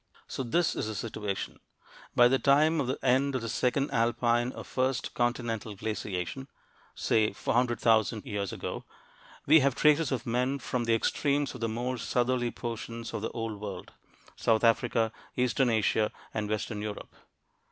So this is the situation. By the time of the end of the second alpine or first continental glaciation (say 400,000 years ago) we have traces of men from the extremes of the more southerly portions of the Old World South Africa, eastern Asia, and western Europe.